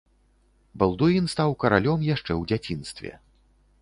Балдуін стаў каралём яшчэ ў дзяцінстве.